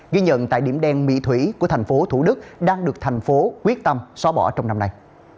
ghi nhận tại điểm đen mỹ thủy của thành phố thủ đức đang được thành phố quyết tâm xóa bỏ trong năm nay